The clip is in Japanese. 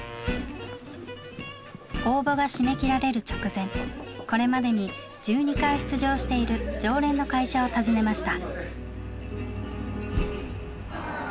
応募が締め切られる直前これまでに１２回出場している常連の会社を訪ねました。